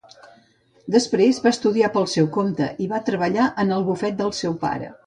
Després va estudiar pel seu compte i va treballar en el bufet del seu pare.